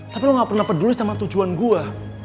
tapi lo gak pernah peduli sama tujuan gue